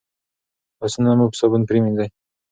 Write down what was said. لاسونه مو په صابون پریمنځئ.